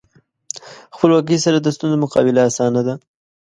خپلواکۍ سره د ستونزو مقابله اسانه ده.